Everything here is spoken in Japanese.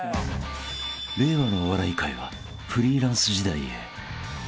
［令和のお笑い界はフリーランス時代へ］